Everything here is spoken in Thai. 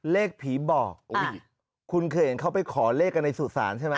เลขผีบอกคุณเคยเห็นเขาไปขอเลขกันในสู่ศาลใช่ไหม